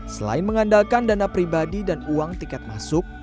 selain mengandalkan dana pribadi dan uang tiket masuk